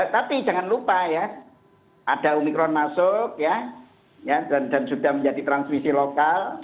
tapi jangan lupa ya ada omikron masuk ya dan sudah menjadi transmisi lokal